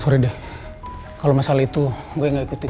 sorry deh kalau masalah itu gue gak ikutin